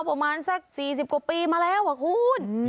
ประมาณสัก๔๐กว่าปีมาแล้วอะคุณ